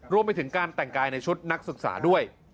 รวมไปถึงการแต่งกายในชุดนักศึกษาด้วย